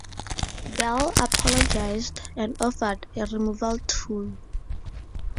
Dell apologised and offered a removal tool.